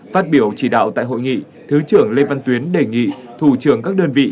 phát biểu chỉ đạo tại hội nghị thứ trưởng lê văn tuyến đề nghị thủ trưởng các đơn vị